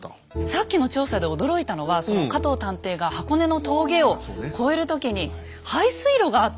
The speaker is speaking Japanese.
さっきの調査で驚いたのは加藤探偵が箱根の峠を越える時に排水路があった。